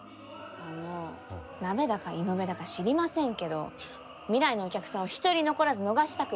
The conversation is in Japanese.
あのナベだかイノベだか知りませんけど未来のお客さんを一人残らず逃したくない。